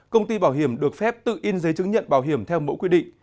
công ty bảo hiểm được phép tự in giấy chứng nhận bảo hiểm theo mẫu quy định